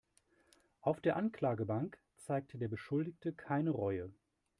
Auf der Anklagebank zeigte der Beschuldigte keine Reue.